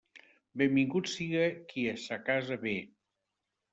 Benvingut siga qui a sa casa ve.